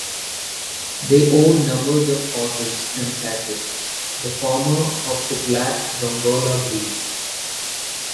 They own numbers of horses and cattle, the former of the black Dongola breed.